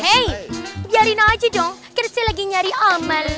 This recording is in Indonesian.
hei diarina aja dong kerja lagi nyari amal